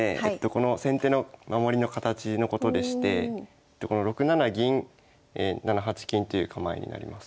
この先手の守りの形のことでして６七銀７八金という構えになります。